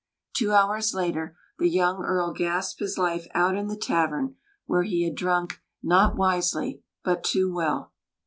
Two hours later the young Earl gasped his life out in the tavern, where he had drunk "not wisely, but too well."